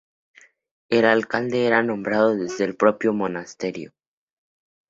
El alcalde era nombrado desde el propio monasterio.